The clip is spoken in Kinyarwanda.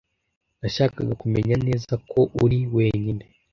Nashakaga kumenya neza ko uri wenyine.